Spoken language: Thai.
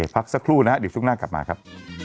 พักสักครู่นะฮะเดี๋ยวช่วงหน้ากลับมาครับ